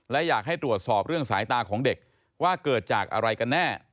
และอยากให้ตรวจสอบเรื่องสายตาของเด็กว่าเกิดจากอะไรกันแน่